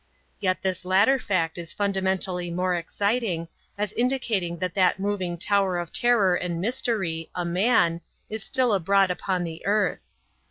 Yet this latter fact is fundamentally more exciting, as indicating that that moving tower of terror and mystery, a man, is still abroad upon the earth.